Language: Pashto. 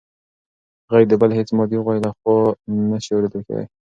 غږ د بل هېڅ مادي غوږ لخوا نه شي اورېدل کېدی.